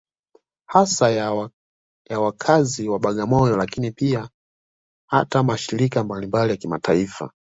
Hasa ya wakazi wa Bagamoyo Lakini pia hata mashirika mbalimbali ya kimataifa